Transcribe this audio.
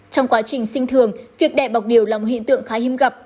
trong quá trình sinh thường việc đẻ bọc điều là một hiện tượng khá hiếm gặp